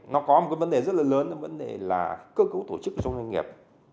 nó có một vấn đề rất là lớn là vấn đề là cơ cấu tổ chức trong doanh nghiệp